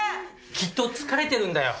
きっと疲れてるんだよ。